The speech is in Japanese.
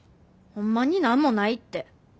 ほんまに何もないって。